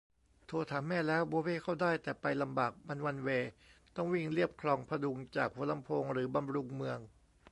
โทรถามแม่แล้ว โบ๊เบ๊เข้าได้ แต่ไปลำบาก มันวันเวย์ ต้องวิ่งเลียบคลองผดุงจากหัวลำโพงหรือบำรุงเมือง